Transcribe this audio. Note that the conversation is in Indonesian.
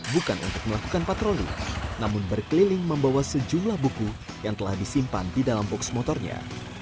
bukan untuk melakukan patroli namun berkeliling membawa sejumlah buku yang telah disimpan di dalam box motornya